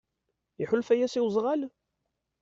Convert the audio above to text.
Iḥulfa-yas i wezɣal?